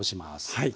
はい。